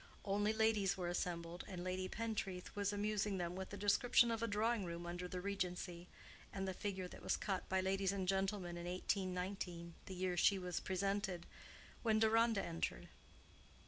Only ladies were assembled, and Lady Pentreath was amusing them with a description of a drawing room under the Regency, and the figure that was cut by ladies and gentlemen in 1819, the year she was presented—when Deronda entered.